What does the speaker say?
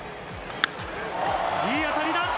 いい当たりだ！